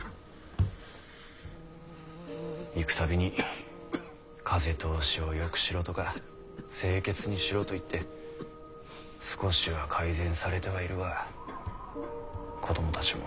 行く度に風通しをよくしろとか清潔にしろと言って少しは改善されてはいるが子供たちも。